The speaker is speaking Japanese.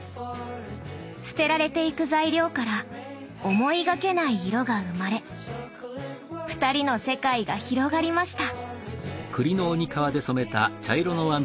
捨てられていく材料から思いがけない色が生まれ２人の世界が広がりました。